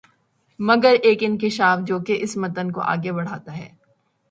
مگر ایک انکشاف جو کہ اس متن کو آگے بڑھاتا ہے